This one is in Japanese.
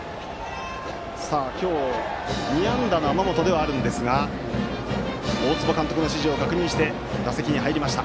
さあ、今日２安打の天本ではありますが大坪監督の指示を確認して打席に入りました。